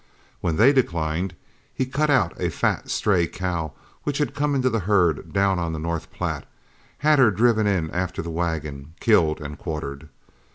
When they declined, he cut out a fat stray cow which had come into the herd down on the North Platte, had her driven in after the wagon, killed and quartered.